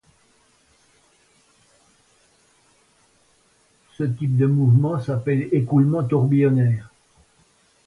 Ce type de mouvement s'appelle écoulement tourbillonnaire.